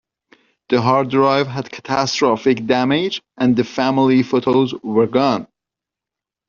The hard drive had catastrophic damage and the family photos were gone.